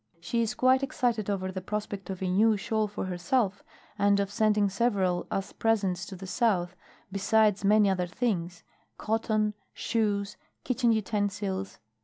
She is quite excited over the prospect of a new shawl for herself, and of sending several as presents to the south; besides many other things: cotton, shoes, kitchen utensils.